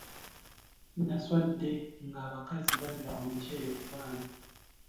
Naswadde ng'abakazi balya omukyere ku baana.